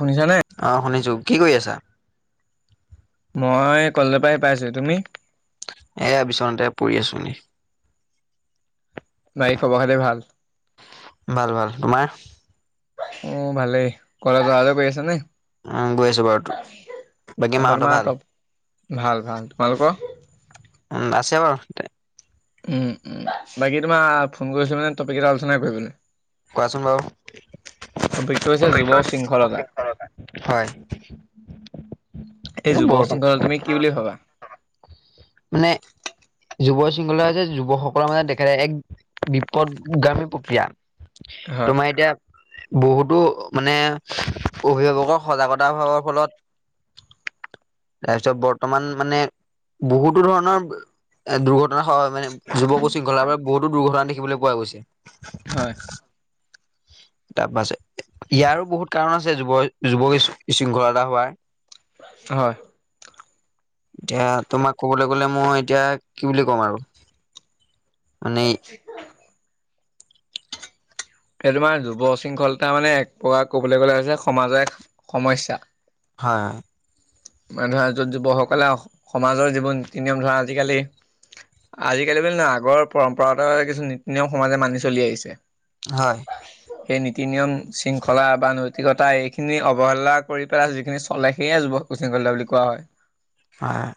শুনিছানে? অ' শুনিছো কি কৰি আছা? মই কলেজৰ পৰাহি পাইছো তুমি। এয়া বিচনাতে পৰি আছো নি। নাই খবৰ খালে ভাল। ভাল -ভাল তোমাৰ অ' ভালেই ঘৰ অহালে কৰি আছ নে উম গৈ আছো বাৰু বাকী ভাল মাহঁতৰ ভাল তোমালোকৰ? উম আছে বাৰু। উম- উম বাকী তোমাৰ ফোন কৰিছিল মানে টপিক এটা আলোচনা কৰিবলৈ কোৱাচোন বাৰু টপিকটো হৈছে যুৱ শৃংখলতা। হয় এই যুৱ বু [inaudible] শৃংখলতা তুমি কি বুলি ভাবা? মানে যুৱ শৃংখলা হৈছে যুৱকসকলৰ মাজত দেখে এক বিপদগামী প্ৰক্ৰিয়া। হয় তোমাৰ এতিয়া? বহুতো মানে অভিভাৱকৰ সজাগতা অভাৱৰ ফলত তাৰপিছত বৰ্তমান মানে। বহুতো ধৰণৰ দুৰ্ঘটনা হয় মানে। যুৱ পচি গল। বহুতো দুৰ্ঘটনা দেখিবলৈ পোৱা গৈছে। হয়। তাৰ পাছে ইয়াৰো বহুত কাৰণ আছে যুৱ যুৱক শৃংখলতা হোৱাৰ। হয়। এতিয়া তোমাক ক'বলৈ গলে মই এতিয়া কি বুলি কম আৰু। মানে [inaudible] এই তোমাৰ যুৱশৃংখলতা মানে এক কবলৈ গলে হৈছে সমাজে সমস্যা। হয়। মানে ধৰা য'ত যুৱসকলে সমাজৰ যিবোৰ নীতি নিয়ম ধৰা আজিকালি আজিকালি ব নহয় আগৰ পৰম্পৰাগত কিছু নীতি নিয়ম সমাজে মানি চলি আহিছে। হয়। সেই নীতি নিয়ম। শৃংখলা বা নৈ। কতাই এইখিনি অৱহেলা কৰি পেলাই যিখিনি চলে সেয়ে যুৱ কো কলা বুলি কোৱা হয়। অ '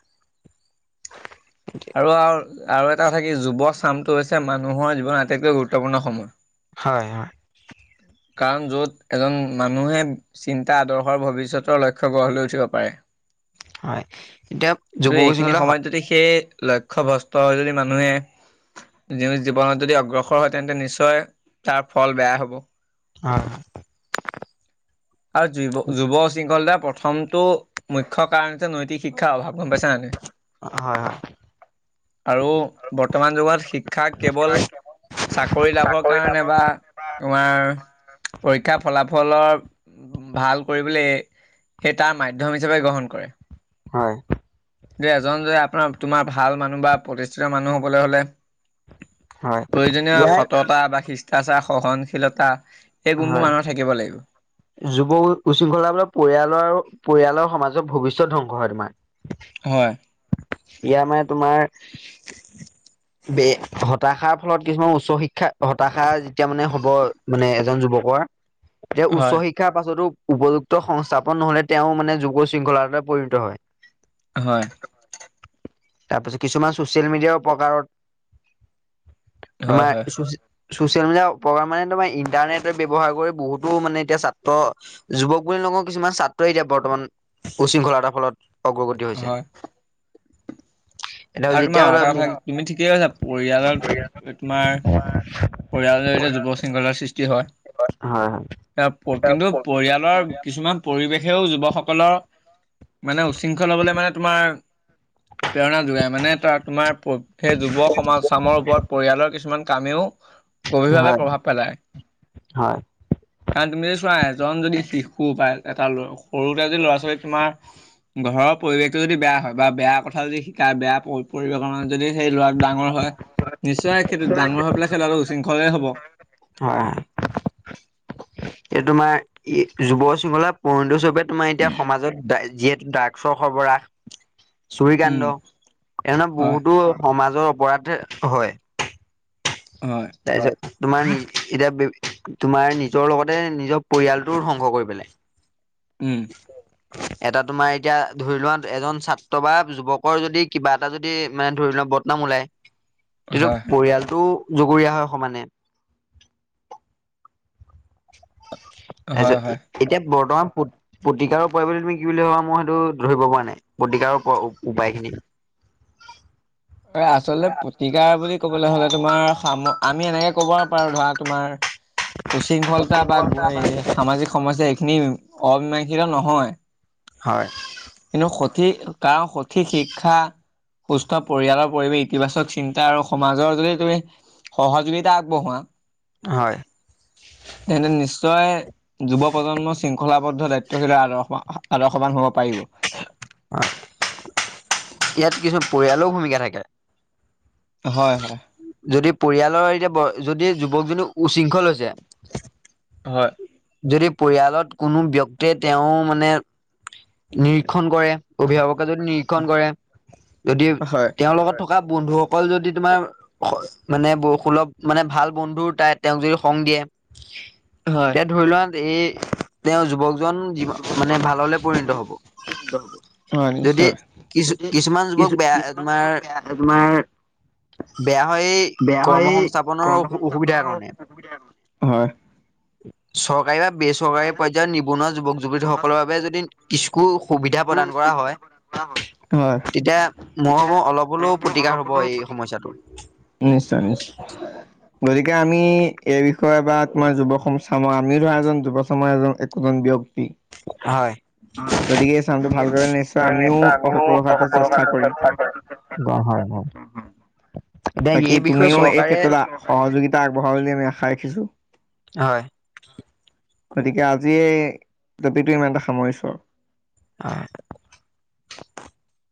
আৰু। আৰু এটা কথা কি যুৱ চামটো হৈছে মানুহৰ জীৱনৰ আটাইতকৈ গুৰুত্বপূৰ্ণ সময়। হয় -হয় কাৰণ য'ত এজন মানুহে চিন্তা আদৰ্শৰ ভৱিষ্যতৰ লক্ষ্য গঢ় লৈ উঠিব পাৰে। হয় এতিয়া কিন্তু যুৱক এইখিনি সময়ত যদি সেই লক্ষ্য ভ্ৰস্ত হৈ যদি মানুহে জীৱনত যদি অগ্ৰসৰ হয় তেন্তে নিশ্চয় তাৰ ফল বেয়া হব। হয় আৰু যি যুৱ শৃংখলতা প্ৰথমতটো মুখ্য কাৰণ যে নৈতিক শিক্ষাৰ অভাৱ গম পাইছে নে । হয় - হয়। আৰু বৰ্তমান যুগত শিক্ষা কেৱল চাকৰি লাভৰ কাৰণে বা তোমাৰ পৰীক্ষাৰ ফলাফলৰ। ভাল কৰিবলৈ সেই তাৰ মাধ্যম হিচাপে গ্ৰহণ কৰে। হয়। এ এজন যে আপোনাৰ তোমাৰ ভাল মানুহ বা প্ৰতিষ্ঠিত মানুহ হবলৈ হলে হয় প্ৰয়োজনীয় ইয়াৰ সততা বা শিচ তাচা সহনশীলতা এই গুণবোৰ হয়। মানুহৰ থাকিব লাগিব যুৱ উশৃংখলা বোল পৰিয়ালৰ আৰু পৰিয়ালৰ সমাজ ভৱিষ্যত ধ্বংস হয় তোমাৰ। হয়। ইয়াৰ মানে তোমাৰ বে হতাশাৰ ফলত কিছুমান উচ্চ শিক্ষা হতাশা যেতিয়া মানে হব মানে এজন যুৱকৰ এতিয়া হয় উচ্চ শিক্ষাৰ পাছতো উপযুক্ত সংস্থাপন নহলে তেও মানে যুৱ শৃংখলা ৰুপে পৰিণত হয়। হয়। তাৰপিছত কিছুমান ছ'চিয়েল মিডিয়াৰ প্ৰকাৰত হয় তোমাৰ হয় চচি চচিয়েল মিডিয়াৰ উপকাৰ মানে তোমাৰ ইণ্টাৰনেটৰ ব্যৱহাৰ কৰি বহুতো মানে এতিয়া ছাত্ৰ যুৱক বুলি নকও কিছুমান ছাত্ৰই এতিয়া বৰ্তমান উশৃংখলতাৰ ফলত অগ্ৰগতি হৈছে। হয় এতিয়া আৰু যেতিয়া তোমাৰ আৰু হলে এটা হয় কথা তুমি ঠিকেই কৈছা পৰিয়ালত তোমাৰ পৰিয়ালৰ জৰিতে যুৱ উশৃংখলাতাৰ সৃষ্টি হয়। হয় এতিয়া প্ৰকৃত ৰিয়ালৰ কিছুমান পৰিৱেশেও যুৱকসকলৰ মানে উশৃংখল হবলৈ মানে তোমাৰ প্ৰেৰণা মানে ত তোমাৰ সেই যুৱ সমাজচামৰ ওপৰত পৰিয়ালৰ কিছুমান কামেও গভীৰভাৱে হয় প্ৰভাৱ পেলায়। হয় কাৰণ তুমি যদি চোৱা এজন যদি শিশু বা এটা সৰুতে যদি ল'ৰা ছোৱালী তোমাৰ ঘৰৰ পৰিৱেশটো যদি বেয়া হয় বা বেয়া কথা যদি শিকায় বেয়া পৰিৱেশৰ মাজত যদি সেই ল'ৰাটো ডাঙৰ হয় নিশ্চয়েই ডাঙৰ হৈ পেলাই সেই ল'ৰাটো উশৃংখলেই হব। হয়। এই তোমাৰ ই যুৱ উশৃংখলাতাৰ পইনট হিচাপে তোমাৰ এতিয়া সমাজত দায় যিহেটো ড্ৰাগছৰ সৰবৰাহ। চুৰী উম কাণ্ড এনে হয় বহুতো সমাজৰ হোৱাতে হয়। হয় তাৰপিছত তোমাৰ এতিয়া তোমাৰ নিজৰ লগতে নিজৰ পৰিয়ালটো ধ্বংস কৰি পেলাই উম এটা তোমাৰ এতিয়া ধৰি লোৱা এজন ছাত্ৰ বা যুৱকৰ যদি কিবা এটা যদি মানে ধৰি লোৱা বদনাম ওলাই কিন্তু হয় পৰিয়ালটো জগৰীয়া হয় সমানে হয় হয় তাৰপিছত এতিয়া বৰ্তমান পুত প্ৰতিকাৰৰ পৰিৱৰ্তে তুমি কি বুলি ভাবা মই সেইটো ধৰিব পৰা নাই, প্ৰতিকাৰৰ উপ উপায় খিনি তই আচলতে প্ৰতিকাৰ বুলি ক'বলৈ হ'লে তোমাৰ সাম আমি এনেকে ক'ব পাৰো ধৰা তোমাৰ উশৃংখলতা বা এই সামাজিক সমস্যা এইখিনি অমিমাষিত নহয় হয় এনেও সঠিক কাৰণ সঠিক শিক্ষা সুস্থ পৰিয়ালৰ পৰিৱেশ ইতিবাচক চিন্তা আৰু সমাজৰ যদি তুমি সহযোগিতা আগবঢ়োৱা হয় তেন্তে নিশ্চয় যুৱ প্ৰজন্ম শৃংখলাবদ্ধ দায়িত্বশীলে আদৰ্শ আদৰ্শৱান হ'ব পাৰিব [unintelligible] অহ ইয়াত কিছু পৰিয়ালৰো ভূমিকা থাকে হয় হয়। যদি পৰিয়ালৰ এতিয়া যদি যুৱকজনো উশৃংখল হৈছে হয় যদি পৰিয়ালত কোনো ব্যক্তিয়ে তেওঁ মানে, নিৰিক্ষণ কৰে অভিভাৱকে যদি নিৰি নিৰিক্ষণ কৰে যদি হয় তেওঁৰ লগত থ থকা বন্ধুসকল যদি তোমাৰ স মানে ব সুলভ মানে ভাল বন্ধুৰ তাই তেওঁক যদি সংগ দিয়ে হয় এতিয়া ধৰি লোৱা এই তেওঁ যুৱক জন যি মানে ভাললে পৰিণত হব হয় ।যদি নিশ্চয় কিছু কিছুমান যুৱক বেয়া তোমাৰ বেয়া হয় কৰ্ম সংস্থাপনৰ অসুবিধাৰ কাৰণে হয় চওক চৰকাৰী বা বেচৰকাৰী পৰ্যায়ত নিবনুৱা যুৱক- যুৱতীসকলৰ বাবে যদি কিচকু সুবিধা প্ৰদান কৰা হয়, হয় তেতিয়া মই ভাবো অলপ হলেও প্ৰতিকাৰ হ'ব এই সমস্যাটোৰ। নিশ্চয় নিশ্চয় গতিকে আমি এই বিষয়ে বা তোমাৰ যুৱ সংগ চামৰ আমিও ধৰা এজন যুৱ চামৰ এজন একোজন ব্যক্তি হয় হয়, গতিকে এই চামটো ভাল কৰিলে নিশ্চয় আমিও অসুপখাত চেষ্টা কৰিম হয় হয় [inaudible] এতিয়া বাকী এই বিষয়ে তুমিও এই চৰকাৰে ক্ষেত্ৰত সহযোগিতা আগবঢ়াবা বুলি আমি আশা ৰাখিছো হয় [inaudible] গতিকে আজিয়ে এই টপিকটো ইমানতে সামৰিছো আৰু আহ [unintelligible]